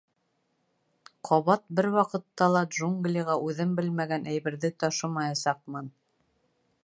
— Ҡабат бер ваҡытта ла джунглиға үҙем белмәгән әйберҙе ташымаясаҡмын.